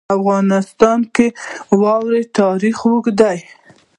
په افغانستان کې د واوره تاریخ اوږد دی.